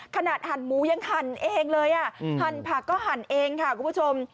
หั่นหมูยังหั่นเองเลยอ่ะหั่นผักก็หั่นเองค่ะคุณผู้ชม